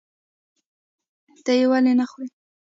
ته یې ولې نخورې؟